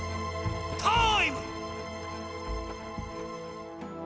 ターイム！